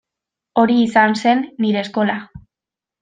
Hori izan zen nire eskola.